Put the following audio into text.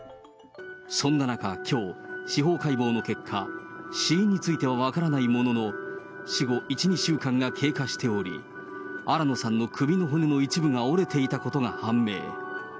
そんな中、きょう、司法解剖の結果、死因については分からないものの、死後１、２週間が経過しており、新野さんの首の骨の一部が折れていたことが判明。